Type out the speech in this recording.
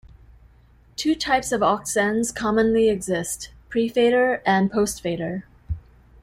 Two types of aux-sends commonly exist: pre-fader and post-fader.